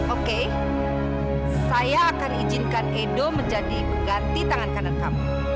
oke saya akan izinkan edo menjadi pengganti tangan kanan kamu